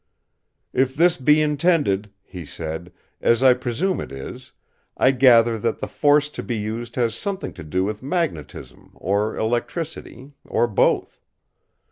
"If this be intended," he said, "as I presume it is, I gather that the force to be used has something to do with magnetism or electricity, or both.